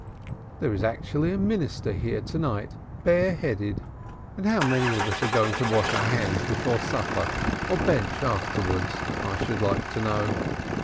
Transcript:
There is actually a minister here to night bare headed. And how many of us are going to wash our hands before supper or bensh afterwards, I should like to know.